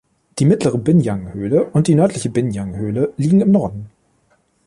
Die mittlere Binyang-Höhle und die nördliche Binyang-Höhle liegen im Norden.